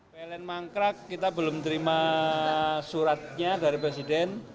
pln mangkrak kita belum terima suratnya dari presiden